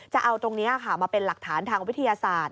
จะเอาตรงนี้ค่ะมาเป็นหลักฐานทางวิทยาศาสตร์